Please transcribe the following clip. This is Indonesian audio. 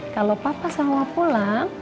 kalau papa sama pulang